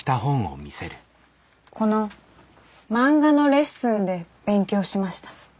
この「まんがのレッスン」で勉強しました。